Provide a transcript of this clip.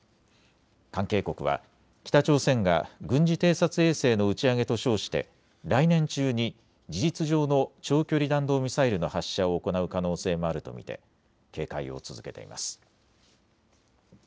関係国は北朝鮮が軍事偵察衛星の打ち上げと称して来年中に事実上の長距離弾道ミサイルの発射を行う可能性もあると見て警戒を続けています。